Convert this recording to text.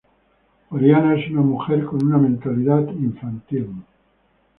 Oriana es una mujer con una mentalidad infantil.